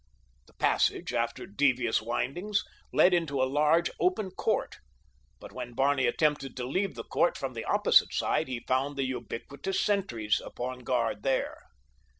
The passage, after devious windings, led into a large, open court, but when Barney attempted to leave the court upon the opposite side he found the ubiquitous sentries upon guard there.